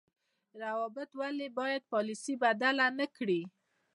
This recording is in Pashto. روابط ولې باید پالیسي بدله نکړي؟